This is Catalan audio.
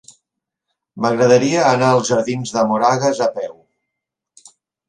M'agradaria anar als jardins de Moragas a peu.